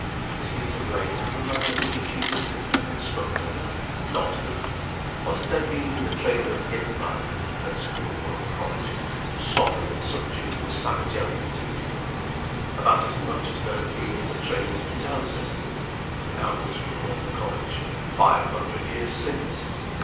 Was he to blame for the manner in which he looked at her and spoke to her? Not he! What had there been in the training of his life (at school or at college) to soften and subdue the savage element in him? About as much as there had been in the training of his ancestors (without the school or the college) five hundred years since.